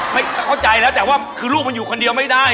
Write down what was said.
ไม่เข้าใจแล้วแต่ว่าคือลูกมันอยู่คนเดียวไม่ได้